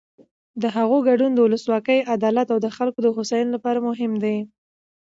د هغوی ګډون د ولسواکۍ، عدالت او د خلکو د هوساینې لپاره مهم دی.